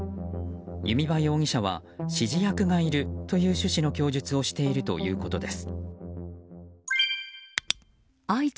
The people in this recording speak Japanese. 弓場容疑者は指示役がいるという趣旨の供述をしているということです。